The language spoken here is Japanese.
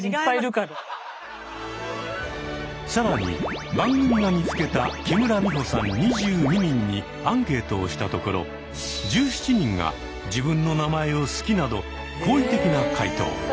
更に番組が見つけた木村美穂さん２２人にアンケートをしたところ１７人が「自分の名前を好き」など好意的な回答。